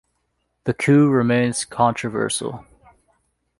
The coup remains controversial.